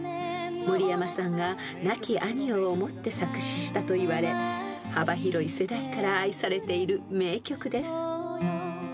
［森山さんが亡き兄を思って作詞したといわれ幅広い世代から愛されている名曲です］